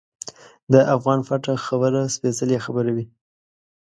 د افغان پټه خبره سپیڅلې خبره وي.